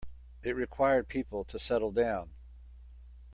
It required people to settle down.